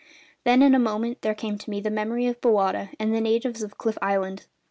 Then in a moment there came to me the memory of Bowata and the natives of Cliff Island.